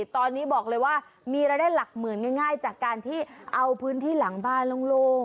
ตอนนี้บอกเลยว่ามีรายได้หลักหมื่นง่ายจากการที่เอาพื้นที่หลังบ้านโล่ง